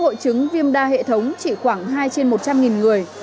hội chứng viêm đa hệ thống chỉ khoảng hai trên một trăm linh người